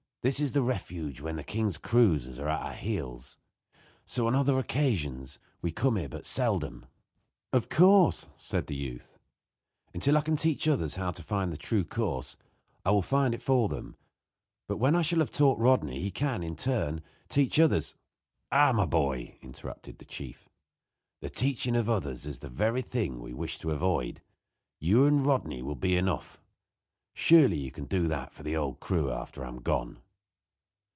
This is the refuge when the king's cruisers are at our heels. On other occasions we come here but seldom." "Of course," said the youth, "until I can teach others how to find the true course, I will find it for them; but, when I shall have taught Rodney, he can, in turn, teach others " "Ah! my boy," interrupted the chief, "the teaching of others is the very thing we wish to avoid. You and Rodney will be enough. Surely, you can do that for the old crew after I am gone."